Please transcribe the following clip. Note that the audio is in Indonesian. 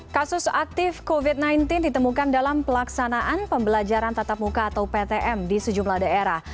kasus aktif covid sembilan belas ditemukan dalam pelaksanaan pembelajaran tatap muka atau ptm di sejumlah daerah